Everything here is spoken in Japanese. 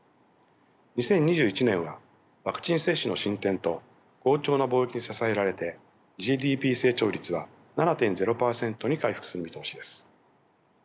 ２０２１年はワクチン接種の進展と好調な貿易に支えられてＧＤＰ成長率は７．０％に回復する見通しです。